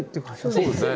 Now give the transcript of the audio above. そうですね。